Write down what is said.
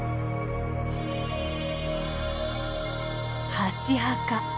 箸墓。